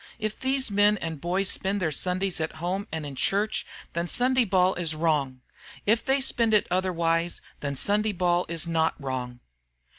"If these men and boys spend their Sundays at home and in church, then Sunday ball is wrong. If they spend it otherwise, then Sunday ball is not wrong."